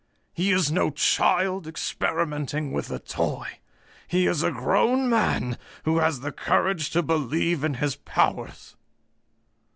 He is no child, experimenting with a toy; he is a grown man who has the courage to believe in his powers.